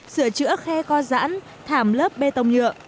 sửa chữa khe co giãn thảm lớp bê tông nhựa